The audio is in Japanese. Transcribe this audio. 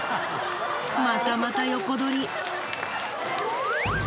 またまた横取り。